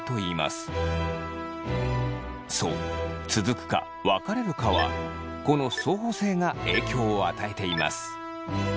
そう続くか別れるかはこの相補性が影響を与えています。